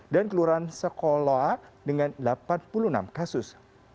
dan kelurahan sekolah dengan delapan puluh enam kasus